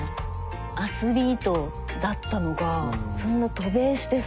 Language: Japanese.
アスリートだったのがそんな渡米してさ。